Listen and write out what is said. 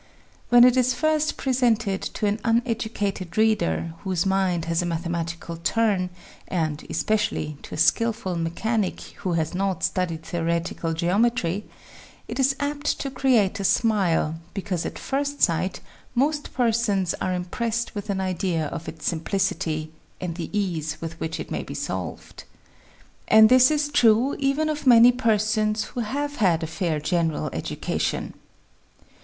When it is first presented to an un educated reader, whose mind has a mathematical turn, and especially to a skilful mechanic, who has not studied theo retical geometry, it is apt to create a smile, because at first sight most persons are impressed with an idea of its sim plicity, and the ease with which it may be solved. And this is true, even of many persons who have had a fair gen eral education.